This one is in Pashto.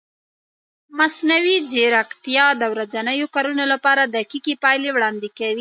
مصنوعي ځیرکتیا د ورځنیو کارونو لپاره دقیقې پایلې وړاندې کوي.